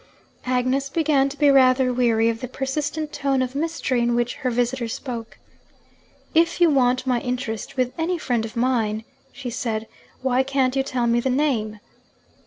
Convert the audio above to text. Agnes began to be rather weary of the persistent tone of mystery in which her visitor spoke. 'If you want my interest with any friend of mine,' she said, 'why can't you tell me the name?'